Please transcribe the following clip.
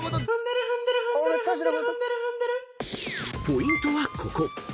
［ポイントはここ］